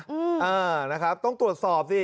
อ่านะครับต้องตรวจสอบสิ